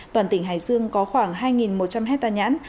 toàn tỉnh hải dương có khoảng hai một trăm linh hectare nhãn